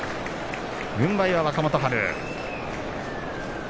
軍配は若元春です。